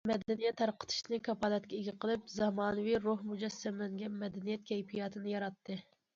مەدەنىيەت تارقىتىشنى كاپالەتكە ئىگە قىلىپ، زامانىۋى روھ مۇجەسسەملەنگەن مەدەنىيەت كەيپىياتىنى ياراتتى.